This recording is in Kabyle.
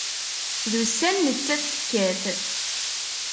D ussan nettat tekkat.